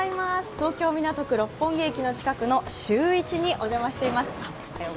東京・港区六本木駅近くのしゅういちにお邪魔しています。